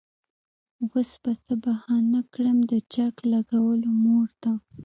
وس به څۀ بهانه کړمه د چک لګولو مور ته